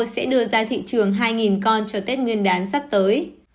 sẽ đưa ra thị trường hai con cho tết nguyên đán sắp tới